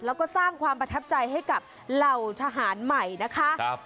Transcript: แล้วก็สร้างความประทับใจให้กับเหล่าทหารใหม่นะคะ